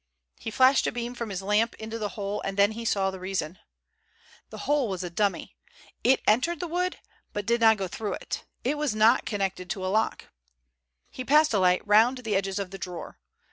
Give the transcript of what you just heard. He flashed a beam from his lamp into the hole, and then he saw the reason. The hole was a dummy. It entered the wood but did not go through it. It was not connected to a lock. He passed the light round the edges of the drawer.